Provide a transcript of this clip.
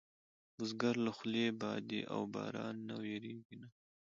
بزګر له خولې، بادې او بارانه نه وېرېږي نه